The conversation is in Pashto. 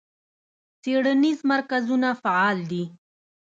څیړنیز مرکزونه فعال دي.